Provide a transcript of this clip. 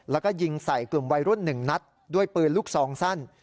แล้วก็ยิงใส่กลุ่มวัยรุ่น๑นัดด้วยปืนลูกซองสั้น